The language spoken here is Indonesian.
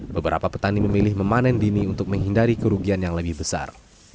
beberapa petani memilih memanen dini untuk menghindari kerugian yang lebih besar